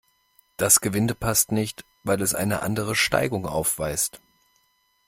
Das Gewinde passt nicht, weil es eine andere Steigung aufweist.